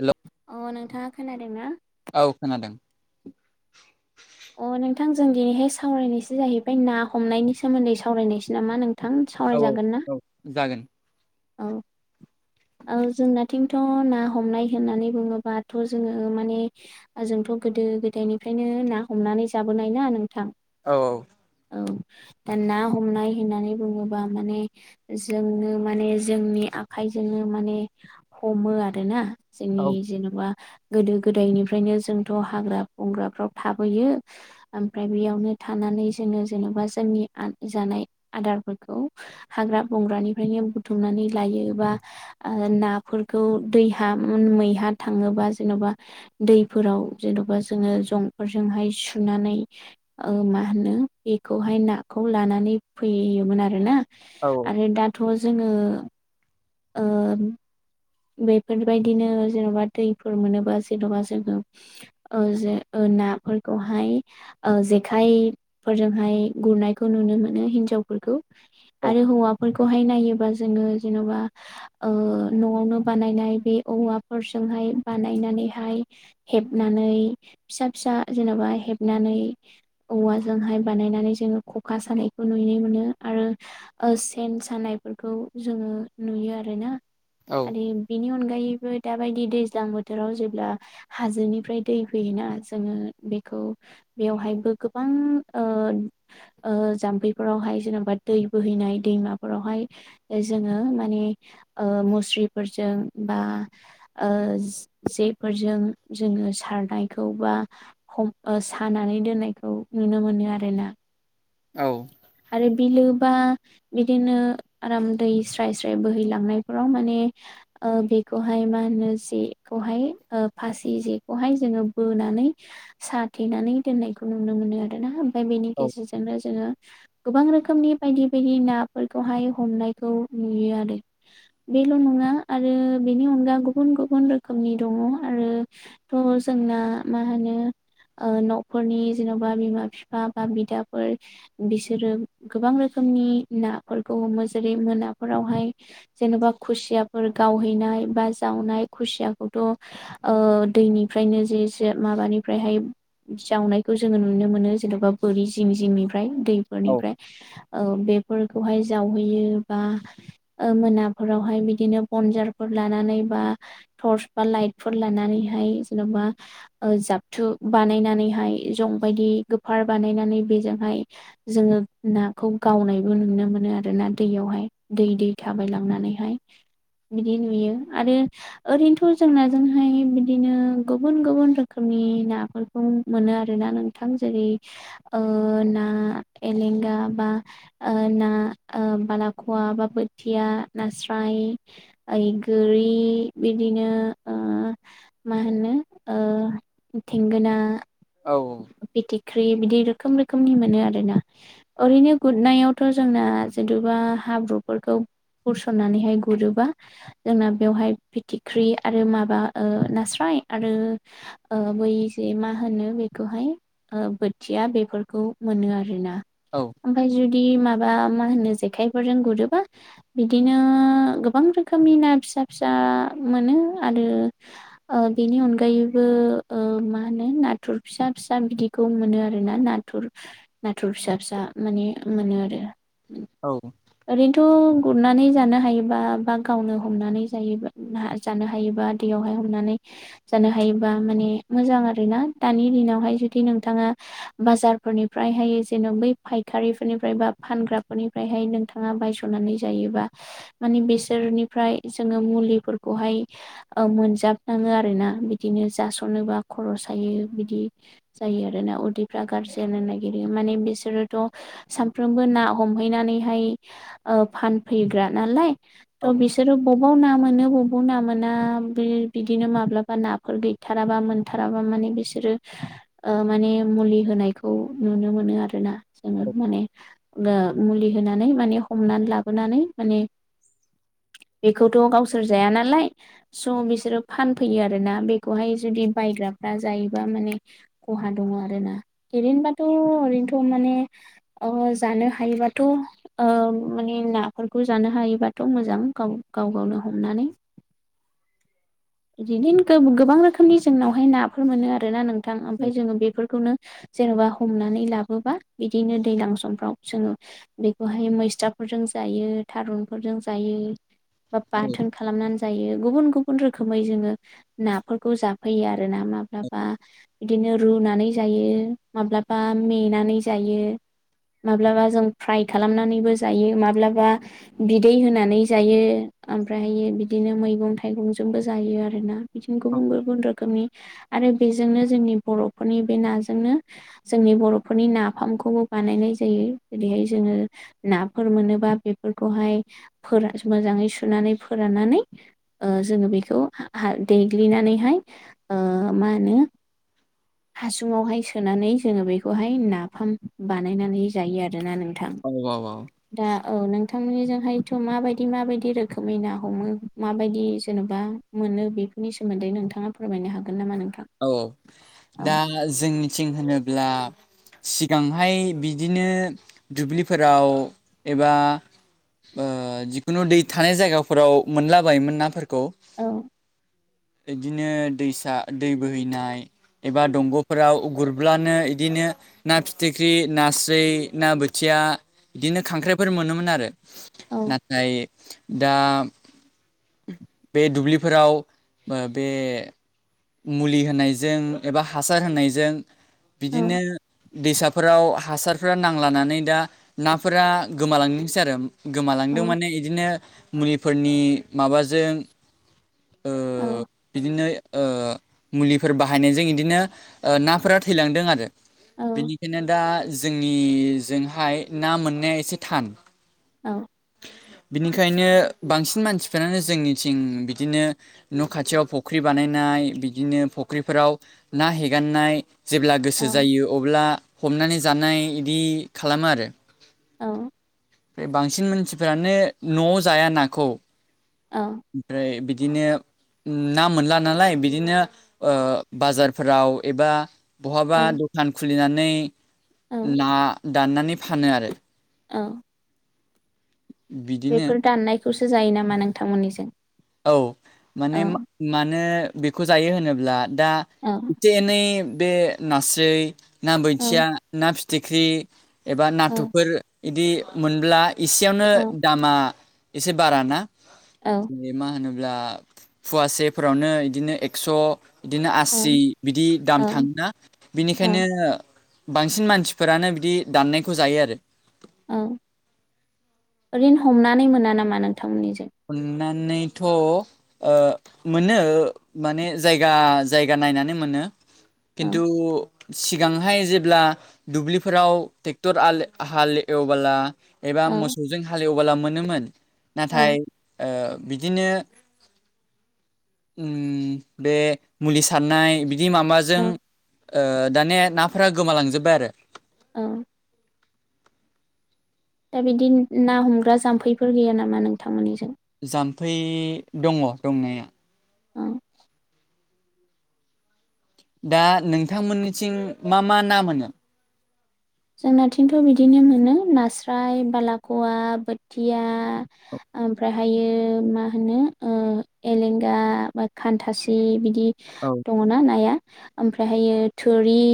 हेल' अ नोंथाङा खोनादों ना? औ खोनादों। अ नोंथां जों दिनैहाय सावरायनायसो जाहैबाय ना हमनायनि सोमोन्दै सावरायनायसै नामा नोंथां? औ औ सावरायजागोन ना? औ जागोन। औ। औ जोंनाथिंथ' ना हमनाय होननानै बुङोबाथ' जोङो माने जोंथ' गोदो गोदायनिफ्रायनो ना हमनानै जाबोनाय ना नोंथां औ औ। औ। दा ना हमनाय होननानै बुङोबा माने जोंनो माने जोंनि आखायजों जोङो माने हमो आरो ना जोंनि औ जेन'बा गोदो गोदायनिफ्रायनो जोंथ' हाग्रा बंग्राफ्राव थाबोयो ओमफ्राय बेयावनो थानानै जोङो जेनेबा जोंनि जानाय आदारफोरखौ हाग्रा बंग्रानिफ्रायनो बुथुमनानै लायो बा नाफोरखौ दैहा मैहा थाङोबा जेन'बा दैफोराव जेन'बा जोङो जंफोरजोंहाय सुनानै ओ मा होनो बेखौहाय नाखौ लानानै फैयोमोन आरो ना औ। आरो दाथ' जोङो ओ बेफोरबायदिनो जेन'बा दैफोर मोनोबा जेन'बा जोङो ओ जे ओ नाफोरखौहाय ओ जेखायफोरजोंहाय गुरनायखौ नुनो मोनो हिन्जावफोरखौ। आरो हौवाफोरखौहाय नायोबा जोङो जेन'बा ओ न'आवनो बानायनाय बे औवाफोरजोंहाय बानायनानैहाय हेबनानै फिसा फिसा जेन'बा हेबनानै औवाजोंहाय बानायनानै जोङो खखा सानायखौ नुनो मोनो आरो ओ सेन सानायफोरखौ जोङो नुयो आरोना औ बिनि अनगायैबो दाबायदि दैज्लां बोथोराव जेब्ला हाजोनिफ्राय दै फैयोना जोङो बेखौ बेवहायबो गोबां ओ ओ जाम्फैफोरावहाय जेनेबा दै बोहैनाय दैमाफोरावहाय जोङो माने ओ मुस्रिफोरजों बा ओ जेफोरजों जोङो सारनायखौ बा हम ओ सानानै दोन्नायखौ नुनो मोनो आरोना। औ। आरो बिलो बा बिदिनो आराम दै स्राय स्राय बोहैलांनायफोराव माने ओ बेखौहाय मा होनो जेखौहाय ओ फासि जेखौहाय जोङो बोनानै साथेनानै दोननायखौ नुनो मोनो आरोना ओमफ्राय बेनि गेजेरजोंनो जोङो गोबां रोखोमनि बायदि बायदि नाफोरखौहाय हमनायखौ नुयो आरो बेल' नङा आरो बेनि अनगा गुबुन गुबुन रोखोमनि दङ आरो थ' जोंना मा होनो ओ न'फोरनि जेन'बा बिमा बिफा बा बिदाफोर बिसो रो गोबां रोखोमनि नाफोरखौ हमो जेरै मोनाफोरावहाय जेन'बा खुसियाफोर गावहैनाय बा जावनाय खुसियाखौथ' ओ दैनिफ्रायनो जे जे माबानिफ्रायहाय जावनायखौ जोङो नुनो मोनो जेन'बा बोरि जिं जिंनिफ्राय दै औ फोरनिफ्राय ओ बेफोरखौहाय जावहैयो बा ओ मोनाफोरावहाय बिदिनो बनजारफोर लानानै बा टर्स बा लाइटफोर लानानैहाय जेन'बा ओ जाबथु बानायनानैहाय जंबायदि गोफार बानायनानै बेजोंहाय जोङो नाखौ गावनायबो नुनो मोनो आरो ना दैयावहाय दै दै थाबाय लांनानैहाय बिदि नुयो आरो ओरैनोथ' जों नाजोंहाय बिदिनो गुबुन गुबुन रोखोमनि नाफोरफोर खौ मोनो आरोना नोंथां जेरै ओ ना एलेंगा बा ओ ना ओ बालाख'वा बा बोथिया नास्राय ओइ गोरि बिदिनो ओ मा होनो ओ थेंगोना औ ओ फिथिख्रि बिदि रोखोम रोखोमनि मोनो आरो ना। ओरैनो गुरनायावथ' जोंना जेनथ'बा हाब्रुफोरखौ गुरसननानैहाय गुरोबा जोंना बेवहाय फिथिख्रि आरो माबा ओ नास्राय आरो ओ बै जे मा होनो बे बेखौहाय ओ बोथिया बेफोरखौ मोनो आरोना औ ओमफफ्राय जुदि माबा मा होनो जेखाइफोरजों गुरोबा बिदिनो गोबां रोखोमनि ना फिसा फिसा मोनो आरो ओ बेनि अनगायैबो मा होनो नाथुर फिसा फिसा बिदिखौ मोनो आरो ना नाथुर नाथुर फिसा फिसा माने मोनो आरो औ ओरैनोथ' गुरनानै जानो हायोबा बा गावनो हमनानै जायोब्ला जानो हायोबा दैयावहाय हमनानै जानो हायोबा माने मोजां आरोना दानि दिनावहाय जुदि नोंथाङा बाजारफोरनिफ्रायहाय जेन' बै फायखारिफोरनिफ्राय बा फानग्राफोरनि ओमफ्रायहाय नोंथाङा बायस'नानै जायोबा मानि बिसोरनिफ्राय जोङो मुलिफोरखौहाय ओ मोनजाफ्ङो आरोना बिदिनो जास'नोबा खरस जायो बिदि जायो आरोना उदैफ्रा गाज्रिजानो नागिरो माने बिसोरोथ' सानफ्रोमबो ना हमहैनानैहाय फानफैग्रा नालाय थ' बिस बिसोरी बबाव ना मोनो बबाव ना मोना बिदिनो माब्लाबा नाफोर गै मोनथाराबा मोनथाराबा माने बेसे बिसोरो ओ माने मुलि होनायखौ नुनो मोनो आरो ना जोङो माने मुलि होनानै माने हमनानै लाबोनानै माने बेखौथ' गावसोर जाया नालाय स' बिसोरो फानफैयो आरोना बेखौहाय जुदि बायग्राफ्रा जायो माने खहा दङ आरो ना। रैनोबाथ' ओरैनोथ' माने अ जानो हायोबाथ' ओ माने नाफोरखौ जानो हायोबाथ' मोजां गाव गाव गावनो हमनानै। बिदिनो गोबां रोखोमनि जोंनावहाय नाफोर मोनो आर ना नोंथां ओमफ्राय जोङो बेफोरखौनो जेन'बा हमनानै लाबोबा बिदिनो दैज्लां समफ्राव जोङो बेखौहाय मैस्राफोरजों जायो थारुनफोरजों जायो। बा बाथोन खालामनानै जायो गुबुन गुबुन रोखोम रोखोमै जोङो नाफोरखौ जाफैयो आरो ना माब्लाबा बिदिनो रुनानै जायो माब्लाबा मेनानै जायो माब्लाबा जों फ्राय खालामनानैबो जायो माब्लाबा बिदै होनानै जायो ओमफ्रायहायो बिदिनो मैगं थाइगंजों। जोंबो जायो आरोना बिदिनो गुबुन गुबुन रोखोमनि आरो बेजोंनो जोंनि बर'फोरनि बे नाजोंनो जोंनि बर'फोरनि नाफामखौबो बानायनाय जायो जेरैहाय जोङो नाफोर मोनोबा बेफोरखौहाय फोरान मोजाङै सुनानै फोराननानै ओ जोङो बेखौ हा देग्लिनानैहाय ओ मा होनो [inaudible] हासुङावहाय सोनानै जोङो बेखौहाय नाफाम बानायनानै जायो आरोना नोंथां। औ औ औ। दा औ नोंथांमोननिजोंहायथ' माबायदि माबायदि रोखोमै ना हमो माबायदि जेन'बा मोनो बेफोरनि सोमोन्दै नोंथाङा फोरमायनो हागोन नामा नोंथां? औ औ दा जों मिथिं होनोब्ला सिगांहाय बिदिनो दुब्लिफोराव एबा ओ जिखुनु दै थानाय जायगाफोराव मोनलाबायोमोन नाफोरखौ औ खौ बिदिनो दैसा दै बोहैनाय एबा दंग'फोराव गुरब्लानो इदिनो ना फिथिख्रि नास्राय ना बोथिया बिदिनो खांख्राइफोर मोनोमोन आरो। औ नाथाय दा बे दुब्लिफोराव ओ बे मुलि होनायजों एबा हासार होनायजों बिदिनो औ दैसाफोराव हासारफोरा नांलानानै दा नाफोरा गोमालांनोसै आरो। औ गोमालांदों माने इदिनो मुलिफोरनि माबाजों ओ औ बिदिनो ओ मुलिफोर बाहायनायजों इदिनो नाफोरा थैलांदों आरो। औ बेनिखायनो दा जोंनिजोंहाय ना मोननाया एसे थान। औ बिनिखायनो बांसिन मानसिफ्रानो जोंनिथिं बिदिनो न' खाथियाव फख्रि बानायनाय बिदिनो फुख्रिफोराव ना हेगारनाय जेब्ला गोसो जायो अब्ला हमनानै जानाय इदि खालामो आरो। औ ओ बांसिन मानसिफोरानो न'आव जाया नाखौ ओमफ्राय बिदिनो ना मोनला नालाय बिदिनो ओ बाजारफोराव एबा बहाबा औ सान खुलिनानै औ ना दाननानै फानो आरो औ बिदिनो बेफोर दाननायखौसो जायो नामा नोंथांमोननिजों? औ माने औ मानो बेखौ जायो होनोब्ला दा औ एसे एनै बे नास्राय ना औ बोथिया ना फिथिख्रि एबा औ नाथुरफोर बिदि मोनब्ला एसेयावनो औ औ दामा एसे बाराना? औ। मा होनोब्ला फवासेफोरावनो बिदिनो एक्स' बिदिनो आसि औ बिदि दाम औ थाङा बिनिखायनो औ बांसिन मानसिफोरानो बिदि दाननायखौ जायो आरो। औ ओरिनो हमनानै मोना नामा नोंथांमोननिजों? हमना नैथ' ओ मोनो माने जायगा जायगा नायनानै मोनो। औ खिन्थु' सिगांहाय जेब्ला दुब्लिफोराव ट्रेक्टर हाल हाल एवबोला एबा औ मोसौजों हालेवबोला मोनोमोन नाथाय औ ओ बिदिनो ओम बे मुलि सारनाय बि माबाजों औ ओ दाने नाफोरा गोमालांजोबबाय आरो ओं दा बिदि ना हमग्रा जाम्फैफोर गैया नामा नोंथांमोननिजों जाम्फै दङ दंनाया औ दा नोंथांमोननिथिं मा मा ना मोनो? जोंनाथिंथ' बिदिनो मोनो नास्राय बालाख'वा बोथिया ओमफ्रायहायो मा होनो ओ एलेंगा बा खान्थासि बिदि औ दङ ना नाया ओमफ्रायहायो थुरि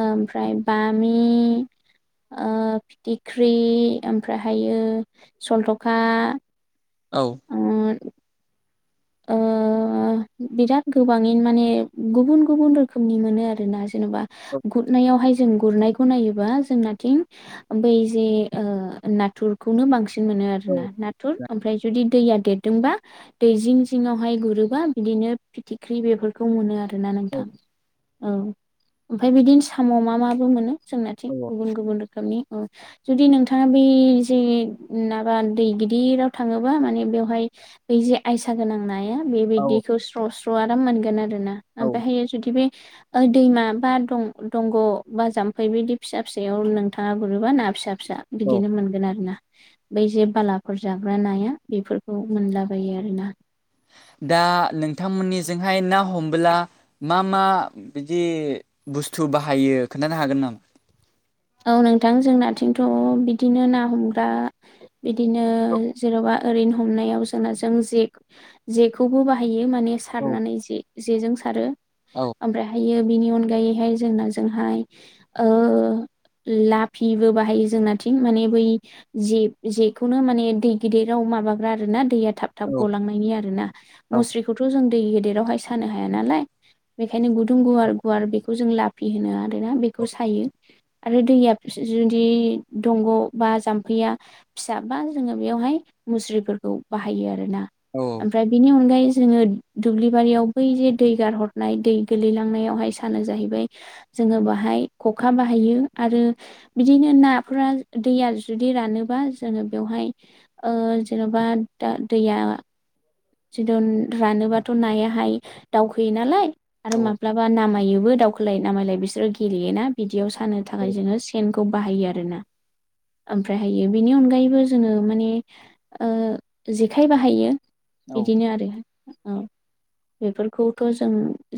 ओमफ्राय बामि ओ फिथिख्रि ओमफ्राय हायो सलथ'खा औ [unintelligible] ओ बिराद गोबाङैनो माने गुबुन गुबुन रोखोमनि मोनो आरो ना जेनेबा गुदनायावहाय जों गुरनाय ख खौ नायोबा जोंनाथिं बै जे ओ नाथुर खौनो बांसिन मोनो आरोना नाथुर ओमफ्राय जुदि दैया देरदोंबा दैजिं जिङावहाय गुरोबा बिदिनो फिथिख्रि बेफोरखौ मोनो आरोना नोंथां औ ओमफाय बिदिनो साम' मा माबो मोनो जोंनाथिं गुबुन गुबुन रोखोमनि औ जुदि नोंथाङा बि जे माबा दै गिदिराव थाङोबा माने बेवहाय बे जे आयसा सा गोनां नाया औ बेबादिखौ स्र' स्र' आराम मोनगोन आरोना ओमफायहायो जुदि बे ओ दैमा बा दं दंग' बा जाम्फै बिदि फिसा फिसायाव नोंथाङा गुरोबा ना फिसा फिसा बिदिनो मोनगोन आरो ना। बै जे बालाफोर जाग्रा नाया बेफोरखौ मोनलाबायो आरोना। दा नोंथांमोननिजोंहाय ना हमबोला मा मा बिदि बुस्थु बाहायो खोन्थानो हागोन नामा? औ नोंथां जोंनाथिंथ' बिदिनो ना हमग्रा बिदिनो जेरावबा ओरैनो हमनायाव जोंना जों जे जेखौबो बाहा हायो माने औ सारनानै जे जेजों सारो औ ओमफ्रार हाय बियो बिनि अनगायैहाय जोंना जोंहाय ओ लाफिबो बाहायो जोंनाथिं माने बै जे जेखौनो माने दै गिदिराव माबाग्रा आरोना दैया थाब थाब औ गलांनायनि आरोना मुस्रिखौथ' जों दै गेदेरावहाय सानो हाया नालाय बेखायनो गुदुं गुवार गुवार बेखौ जों लाफि होनो आरोना बेखौ सायो। आरो दैया जु जुदि दंग' बा जाम्फैया फिसा बा जोङो बेयावहाय मुस्रिफोरखौ बाहायो आरोना। औ। ओमफ्राय बिनि अनगायै जोङो दुब्लि बारियाव बै जे दै गारहरनाय दै गोलैलांनायावहाय सानो जाहैबाय जोङो बाहाय खखा बाहायो आरो बिदिनो नाफोरा दैया जुदि रानोबा जोङो बेवहाय ओ जेन'बा दा दैया थिदन रानोबाथ' नायाहाय दावखोयो नालाय आरो माब्लाबा नामायोबो दावख होलाय नामायलाय बिसोरो गेलेयोना बिदियाव सानो थाखाय जोङो सेनखौ बाहायो आरो ना। ओमफ्रायहायो बेनि अनगायैबो जोङो माने ओ जेखाइ बाहायो। औ बिदिनो आरो औ। बेफोरखौथ' जों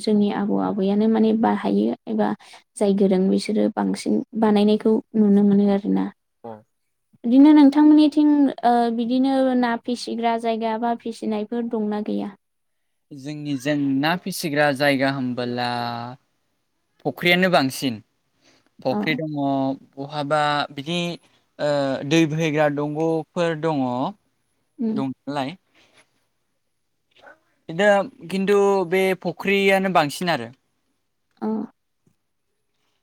जोंनि आबौ आबैयानो माने बाहायो एबा जाय गोरों बिसोरो बांसिन बानायनायखौ नुनो मोनो आरोना। [unintelligible] बिदिनो नोंथांमोननिथिं ओ बिदिनो ना फिसिग्रा जायगा बा फिसिनायफोर दंना गैया? जोंनिजों ना फिसिग्रा जायगा होनबोला फख्रियानो बांसिन अ फख्रि दङ बहाबा बिदि दै बोहैग्रा दंग'फोर दङ उम दं नालाय बिनो खिन्थु बे फुख्रियानो बांसिन आरो। अ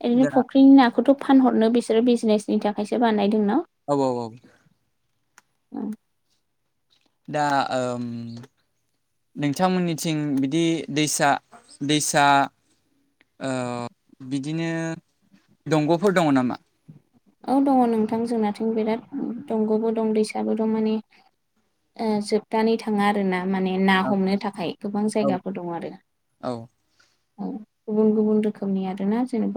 ओरैनो दा फख्रिनि नाखौथ' फानहरनो बिसोरो बिजनेसनि थाखायसो बानायदों न'? औ औ औ। दा ओम नोंथांमोननिथिं बिदि दैसा दैसा ओ बिदिनो दंग'फोर दङ नामा? औ दङ नोंथां जोंनाथिं बिराद दंग'बो दं दैसाबो दं माने जोबनानै थाङा आरो ना। माने ना हमनो थाखाय गोबां औ जायगाफोर दं आरो। औ औ गुबुन गुबुन रोखोमनि आरो ना जेनेबा